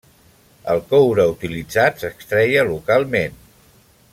El coure utilitzat s'extreia localment.